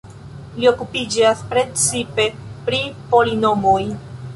Li okupiĝas precipe pri polinomoj.